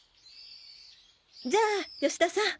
じゃあ吉田さん。